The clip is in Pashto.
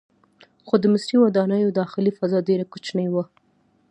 خو د مصري ودانیو داخلي فضا ډیره کوچنۍ وه.